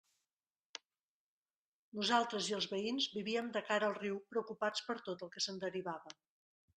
Nosaltres i els veïns vivíem de cara al riu, preocupats per tot el que se'n derivava.